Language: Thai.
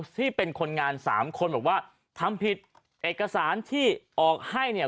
ที่เป็นคนงานสามคนบอกว่าทำผิดเอกสารที่ออกให้เนี่ย